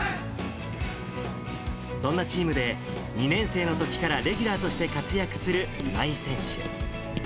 そんなチームで、２年生のときからレギュラーとして活躍する今井選手。